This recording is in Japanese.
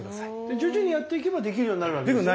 徐々にやっていけばできるようになるわけでしょう？